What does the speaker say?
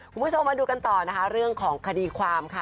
คุณผู้ชมมาดูกันต่อนะคะเรื่องของคดีความค่ะ